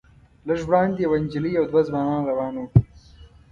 لږ وړاندې یوه نجلۍ او دوه ځوانان روان وو.